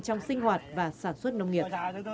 trong sinh hoạt và sản xuất nông nghiệp